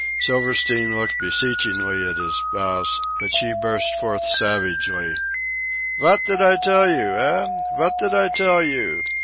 Silverstein looked beseechingly at his spouse, but she burst forth savagely: "Vot did I tell you, eh? Vot did I tell you?